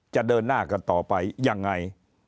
จะเดินหน้ากันต่อไปยังไง